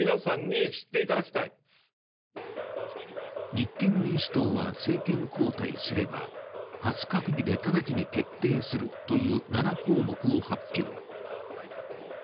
立憲民主党は、政権交代すれば初閣議で直ちに決定するという７項目を発表。